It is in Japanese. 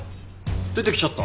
出てきちゃった。